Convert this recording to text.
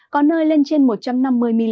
có nơi lên trời